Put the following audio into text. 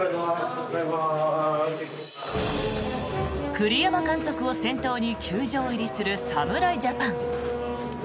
栗山監督を先頭に球場入りする侍ジャパン。